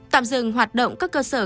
tạm dừng hoạt động các cơ sở